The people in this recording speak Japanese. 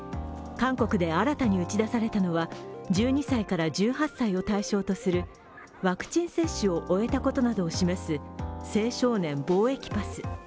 韓国で新たに打ち出されたのは１２歳から１８歳を対象とするワクチン接種を終えたことなどを示す青少年防疫パス。